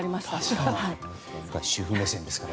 主婦目線ですから。